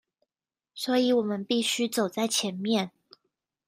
所以我們必須走在前面